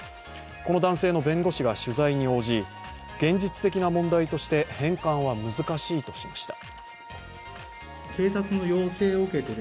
この男性の弁護士が取材に応じ現実的な問題として返還は難しいとしました。